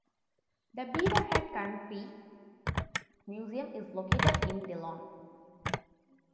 The Beaverhead County Museum is located in Dillon.